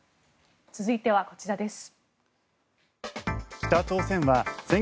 続いてはこちらです。